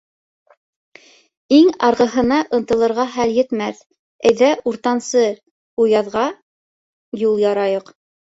Иң арғыһына ынтылырға хәл етмәҫ, әйҙә, уртансы уяҙға юл ярайыҡ.